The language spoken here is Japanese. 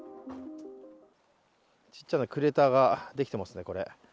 ちっちゃなクレーターができてますね、これ。